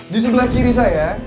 di sebelah kiri saya